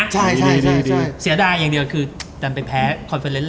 กรงกลางอ่ะกรงกลาง